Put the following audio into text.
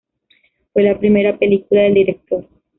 Fue la primera película del director.